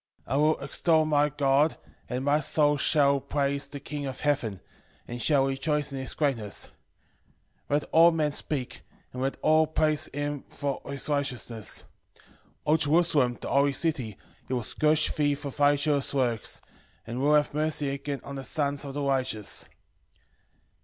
13:7 I will extol my God, and my soul shall praise the King of heaven, and shall rejoice in his greatness. 13:8 Let all men speak, and let all praise him for his righteousness. 13:9 O Jerusalem, the holy city, he will scourge thee for thy children's works, and will have mercy again on the sons of the righteous.